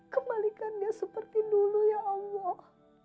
kembalikan dia seperti dulu ya allah